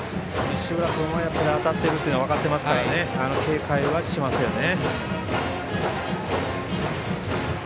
石浦君は当たっていると分かっていますから警戒はしていますよね。